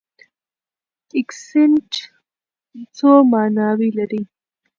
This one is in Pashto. اکسنټ څو ماناوې لري؟